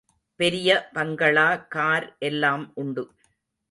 பெரிய bungalow, car எல்லாம் உண்டு.